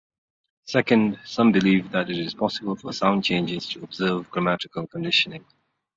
Second, some believe that it is possible for sound changes to observe grammatical conditioning.